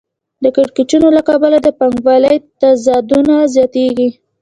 د کړکېچونو له کبله د پانګوالۍ تضادونه زیاتېږي